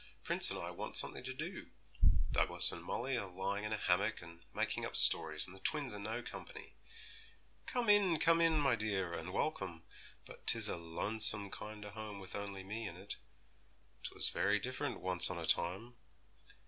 'Prince and I want something to do. Douglas and Molly are lying in a hammock, and making up stories; and the twins are no company.' 'Come in, come in, my dear, and welcome, but 'tis a lonesome kind o' home with only me in it; 'twas very different once on a time.'